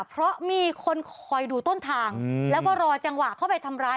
เพราะมีคนคอยดูต้นทางแล้วก็รอจังหวะเข้าไปทำร้าย